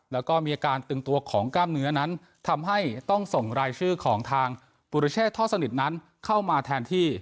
แล้วก็มีอาการตึงตัวของกล้ามเนื้อนั้นทำให้ต้องส่งรายชื่อของทางปุรเชษท่อสนิทนั้นเข้ามาแทนที่